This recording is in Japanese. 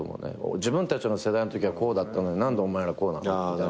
自分たちの世代のときはこうだったのに何でお前らこうなの？みたいな。